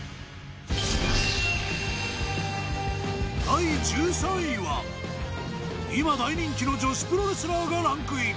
第１３位は今大人気の女子プロレスラーがランクイン。